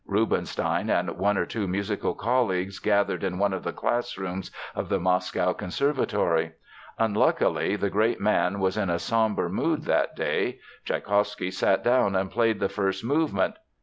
Rubinstein and one or two musical colleagues gathered in one of the classrooms of the Moscow Conservatory. Unluckily, the great man was in a sombre mood that day. Tschaikowsky sat down and played the first movement.